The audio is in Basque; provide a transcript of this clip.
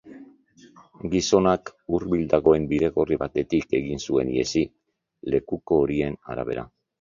Gizonak hurbil dagoen bidegorri batetik egin zuen ihesi, lekuko horien arabera.